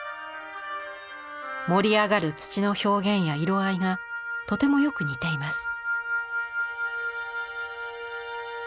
盛り上がる土の表現や色合いがとてもよく似ています。